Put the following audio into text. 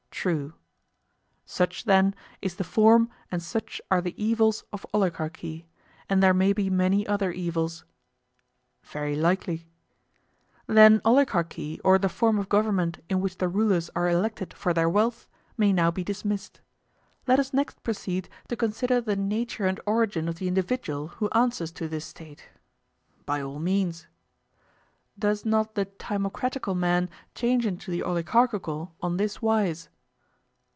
True. Such, then, is the form and such are the evils of oligarchy; and there may be many other evils. Very likely. Then oligarchy, or the form of government in which the rulers are elected for their wealth, may now be dismissed. Let us next proceed to consider the nature and origin of the individual who answers to this State. By all means. Does not the timocratical man change into the oligarchical on this wise?